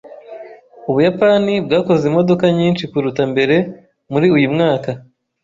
Ubuyapani bwakoze imodoka nyinshi kuruta mbere muri uyu mwaka.